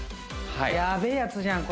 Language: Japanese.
はいやべーやつじゃん